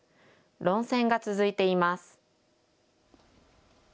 論戦が続いています。